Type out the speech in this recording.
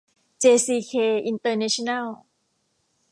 เจซีเค อินเตอร์เนชั่นแนล